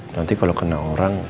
nanti kalo kena orang